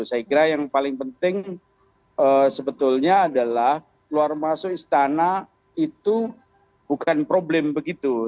saya kira yang paling penting sebetulnya adalah luar masuk istana itu bukan problem begitu